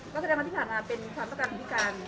ก็แสดงว่าที่ผ่านมาเป็นความประกันบิการ